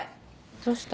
どうした？